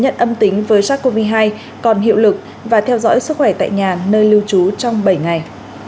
nhận âm tính với sars cov hai còn hiệu lực và theo dõi sức khỏe tại nhà nơi lưu trú trong bảy ngày